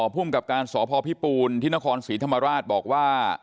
ภูมิกับการสพพิปูนที่นครศรีธรรมราชบอกว่า